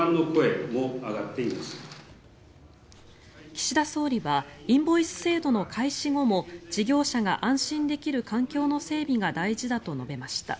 岸田総理はインボイス制度の開始後も事業者が安心できる環境の整備が大事だと述べました。